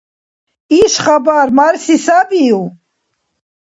Иш хабар марси сабив?